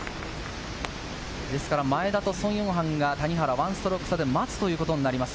前田とソン・ヨンハンが、谷原を１ストローク差で待つということになります。